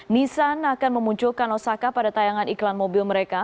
nissan akan memunculkan osaka pada tayangan iklan mobil mereka